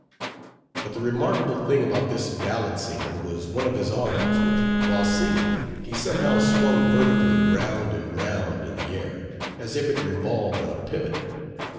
But the remarkable thing about this ballad singer was one of his arms, which, while singing, he somehow swung vertically round and round in the air, as if it revolved on a pivot.